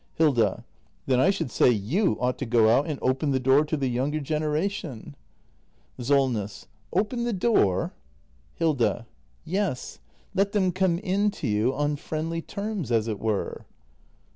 Hilda. Then I should say you ought to go out and open the door to the younger generation. 316 THE MASTER BUILDER [act i SOLNESS. Open the door? Hilda. Yes. Let them come in to you on friendly terms, as it were.